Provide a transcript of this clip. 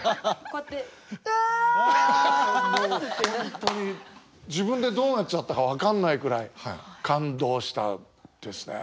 本当に自分でどうなっちゃったか分かんないくらい感動したですね。